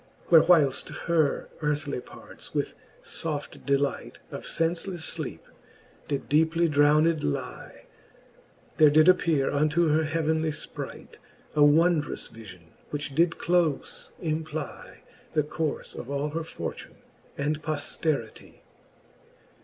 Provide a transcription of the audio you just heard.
Where whileft her earthly parts with foft delight Of (encelefle fleepe did deeply drowned lie, There did appeare unto her heavenly ipright A wondrous vifion, which did clofe implie The courfe of all her fortune and pofteritie.